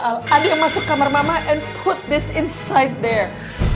ada yang masuk kamar mama and put this inside there